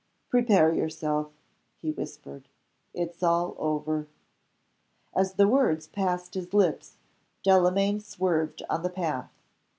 "Prepare yourself!" he whispered. "It's all over." As the words passed his lips, Delamayn swerved on the path.